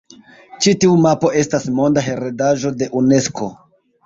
Ĉi tiu mapo estas Monda Heredaĵo de Unesko.